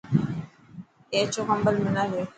اي اڇو ڪمبل منا ڏي.